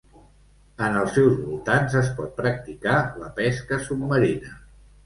En els seus voltants es pot practicar la pesca submarina.